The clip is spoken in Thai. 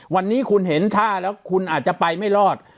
วันนี้คุณเห็นท่าแล้วคุณอาจจะไปไม่รอด